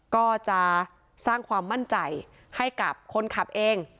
ก็จะสร้างความมั่นใจให้กับคนขับเอง